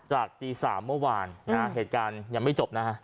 จากตี๓เมื่อวานนะฮะเหตุการณ์ยังไม่จบนะฮะ